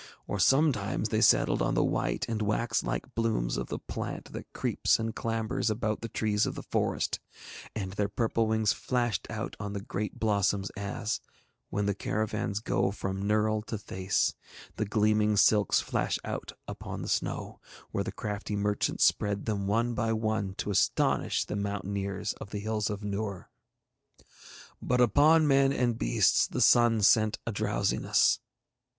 Or sometimes they settled on the white and wax like blooms of the plant that creeps and clambers about the trees of the forest; and their purple wings flashed out on the great blossoms as, when the caravans go from Nurl to Thace, the gleaming silks flash out upon the snow, where the crafty merchants spread them one by one to astonish the mountaineers of the Hills of Noor. But upon men and beasts the sun sent a drowsiness.